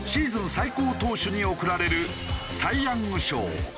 最高投手に贈られるサイ・ヤング賞。